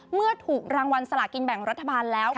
เมื่อถูกรางวัลสลากินแบ่งรัฐบาลแล้ว